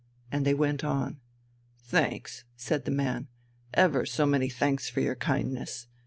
And they went on. "Thanks!" said the man. "Ever so many thanks for your kindness!